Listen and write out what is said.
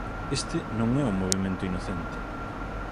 Este non é un movemento inocente.